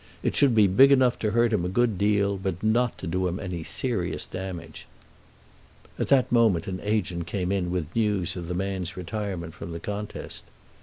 It should be big enough to hurt him a good deal, but not to do him any serious damage." At that moment an agent came in with news of the man's retirement from the contest.